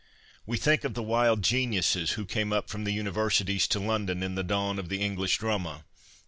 We think of the wild geniuses who came up from the Universities to London in the dawn of the English drama.